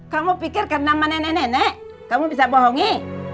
kamu pikir karena mama nenek nenek kamu bisa bohongi